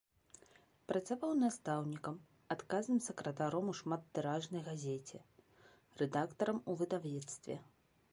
Працаваў настаўнікам, адказным сакратаром у шматтыражнай газеце, рэдактарам у выдавецтве.